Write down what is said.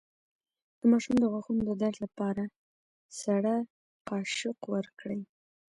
د ماشوم د غاښونو د درد لپاره سړه قاشق ورکړئ